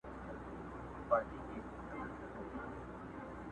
هغه ښار هغه مالت دی مېني تشي له سړیو؛